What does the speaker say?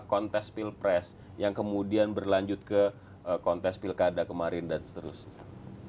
kontes pilpres yang kemudian berlanjut ke kontes pilkada kemarin dan seterusnya